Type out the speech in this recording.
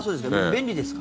便利ですか？